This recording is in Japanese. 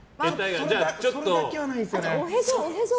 それだけはないんですよね。